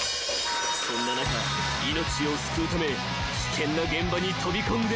［そんな中命を救うため危険な現場に飛び込んでいくのが］